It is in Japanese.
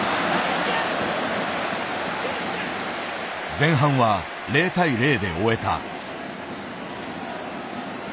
前半は０対０で終えた。